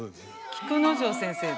菊之丞先生だ。